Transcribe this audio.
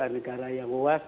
negara yang luas